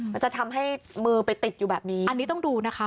มันจะทำให้มือไปติดอยู่แบบนี้อันนี้ต้องดูนะคะ